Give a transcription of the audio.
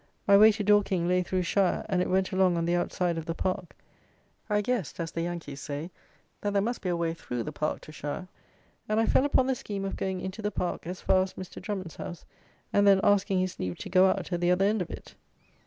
My way to Dorking lay through Shire, and it went along on the outside of the park. I guessed, as the Yankees say, that there must be a way through the park to Shire; and I fell upon the scheme of going into the park as far as Mr. Drummond's house, and then asking his leave to go out at the other end of it.